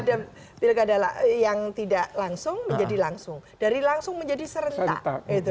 ada pilkada yang tidak langsung menjadi langsung dari langsung menjadi serentak